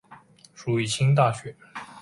属于新大学。